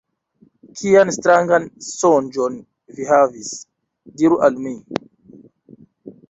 Kian strangan sonĝon vi havis? Diru al mi!